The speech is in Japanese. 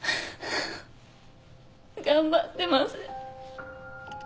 頑張ってます。